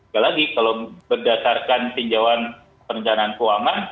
gak lagi kalau berdasarkan pinjauan perencanaan keuangan